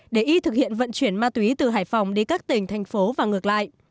để y thực hiện vận chuyển ma túy từ hải phòng đi các tỉnh thành phố và ngược lại